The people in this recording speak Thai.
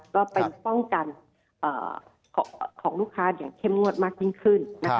ก็เป็นป้องกันของลูกค้าอย่างเข้มงวดมากยิ่งขึ้น